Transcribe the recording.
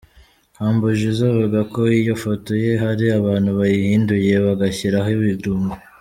Humble Jizzo avuga ko iyi foto ye hari abantu bayihinduye bagashyiraho ibirungo.